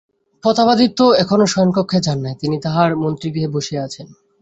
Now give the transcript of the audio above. প্রতাপাদিত্য এখনও শয়নকক্ষে যান নাই– তিনি তাঁহার মন্ত্রগৃহে বসিয়া আছেন।